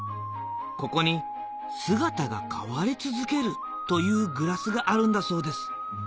ここに姿が変わり続けるというグラスがあるんだそうです